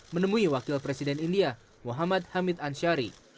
menemui wakil presiden india muhammad hamid ansyari